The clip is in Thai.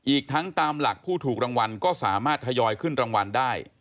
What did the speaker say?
อีกทั้งตามหลักผู้ถูกรางวัลก็สามารถทยอยขึ้นรางวัลได้